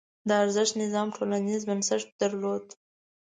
د ارزښت نظام ټولنیز بنسټ درلود.